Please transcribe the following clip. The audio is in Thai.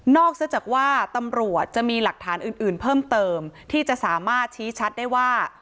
ซะจากว่าตำรวจจะมีหลักฐานอื่นเพิ่มเติมที่จะสามารถชี้ชัดได้ว่า